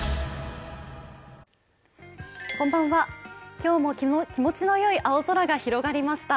今日も気持ちのいい青空が広がりました。